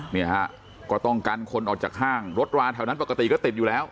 เนี่ยฮะก็ต้องกันคนออกจากห้างรถราแถวนั้นปกติก็ติดอยู่แล้ว